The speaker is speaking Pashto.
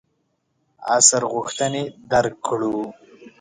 عصر غوښتنې درک کړو.